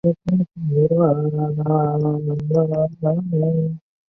车站站场连接福州机务段厦门折返段及福州车辆段厦门客技站。